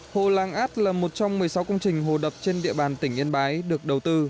hồ lan át là một trong một mươi sáu công trình hồ đập trên địa bàn tỉnh yên bái được đầu tư